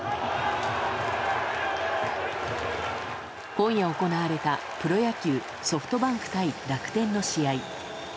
今夜行われたプロ野球ソフトバンク対楽天の試合。